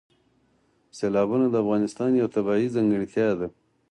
سیلابونه د افغانستان یوه طبیعي ځانګړتیا ده.